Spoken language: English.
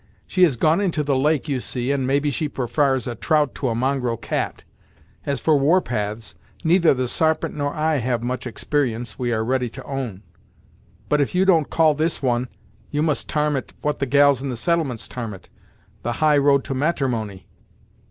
"She has gone into the lake, you see, and maybe she prefars a trout to a mongrel cat. As for war paths, neither the Sarpent nor I have much exper'ence, we are ready to own, but if you don't call this one, you must tarm it, what the gals in the settlements tarm it, the high road to matrimony.